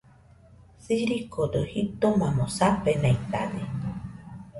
Sirikodo jitomamo safenaitade.